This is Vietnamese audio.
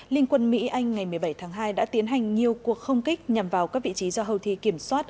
linh quân mỹ anh ngày một mươi bảy tháng hai đã tiến hành nhiều cuộc không kích nhằm vào các vị trí do houthi kiểm soát